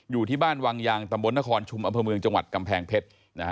อยู่ที่บ้านวังยางตำบลนครชุมอำเภอเมืองจังหวัดกำแพงเพชร